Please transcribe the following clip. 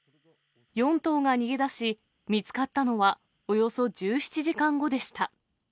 ４頭が逃げ出し、見つかったのは、およそ１７時間後でした。